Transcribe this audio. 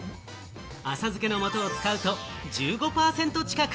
浅漬けの素を使うと１５％近く